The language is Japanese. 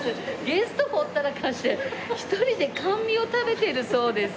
ゲストほったらかして１人で甘味を食べているそうです。